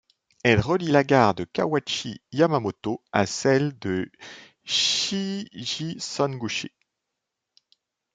Elle relie la gare de Kawachi-Yamamoto à celle de Shigisanguchi.